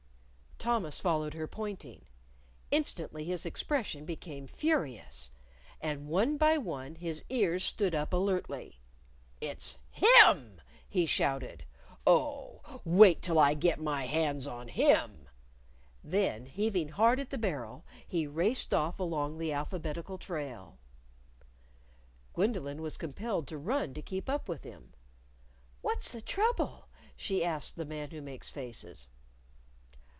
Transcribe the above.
Thomas followed her pointing. Instantly his expression became furious. And one by one his ears stood up alertly. "It's him!" he shouted. "Oh, wait till I get my hands on him!" Then heaving hard at the barrel, he raced off along the alphabetical trail. Gwendolyn was compelled to run to keep up with him. "What's the trouble?" she asked the Man Who Makes Faces.